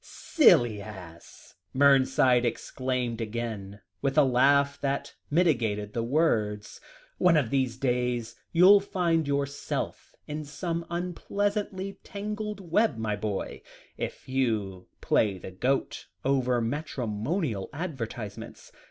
"Silly ass!" Mernside exclaimed again, with a laugh that mitigated the words, "one of these days you'll find yourself in some unpleasantly tangled web, my boy, if you play the goat over matrimonial advertisements.